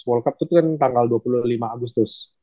world cup itu kan tanggal dua puluh lima agustus